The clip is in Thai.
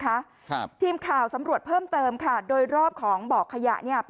ครับทีมข่าวสำรวจเพิ่มเติมค่ะโดยรอบของบ่อขยะเนี้ย